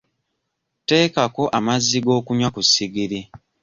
Teekako amazzi g'okunywa ku ssigiri.